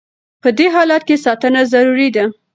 په دې حالت کې ساتنه ضروري ده.